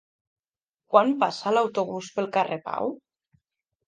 Quan passa l'autobús pel carrer Pau?